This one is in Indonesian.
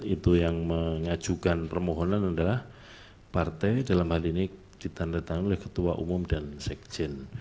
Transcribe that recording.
itu yang mengajukan permohonan adalah partai dalam hal ini ditandatangani oleh ketua umum dan sekjen